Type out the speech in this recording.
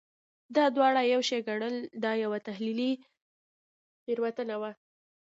دا دواړه یو شی ګڼل یوه تحلیلي تېروتنه وه.